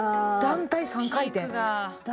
団体３回転。